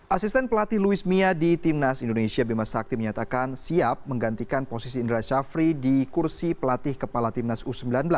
asisten pelatih louis mia di timnas indonesia bima sakti menyatakan siap menggantikan posisi indra syafri di kursi pelatih kepala timnas u sembilan belas